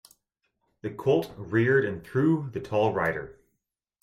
The colt reared and threw the tall rider.